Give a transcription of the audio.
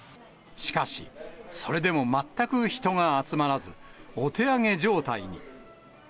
しかし、それでも全く人が集まらず、お手上げ状態に。